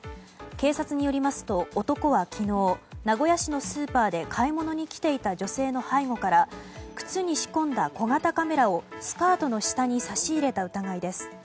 警察によりますと、男は昨日名古屋市のスーパーで買い物に来ていた女性の背後から靴に仕込んだ小型カメラをスカートの下に差し入れた疑いです。